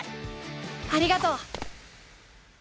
ありがとう！